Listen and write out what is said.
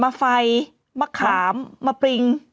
ขออีกทีอ่านอีกที